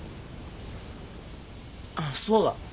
あっそうだ。